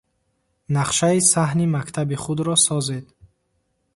Нақшаи саҳни мактаби худро созед.